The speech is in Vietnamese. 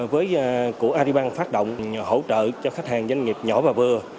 với của aribank phát động hỗ trợ cho khách hàng doanh nghiệp nhỏ và vừa